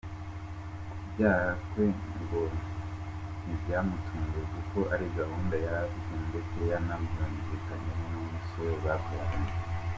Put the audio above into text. Kubyara kwe ngo ntibyamutunguye kuko ari gahunda yari afite ndetse yanabyumvikanyeho n’umusore babyaranye.